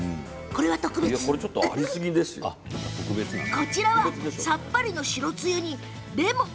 こちらはさっぱりの白つゆにレモン。